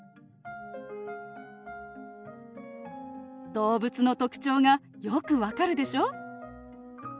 動物の特徴がよく分かるでしょ？